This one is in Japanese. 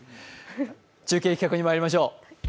中継企画にまいりましょう。